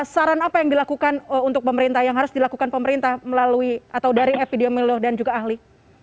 saran apa yang dilakukan untuk pemerintah yang harus dilakukan pemerintah melalui atau dari epidemiolog dan juga ahli